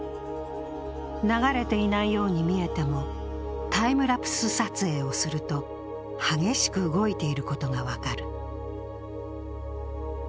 流れていないように見えても、タイムラプス撮影をすると激しく動いていることが分かる。